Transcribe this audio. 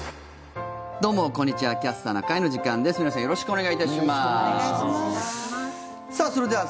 どうもこんにちは。